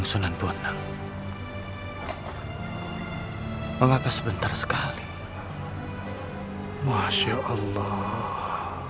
assalamualaikum warahmatullahi wabarakatuh